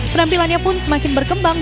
penampilannya pun semakin berkembang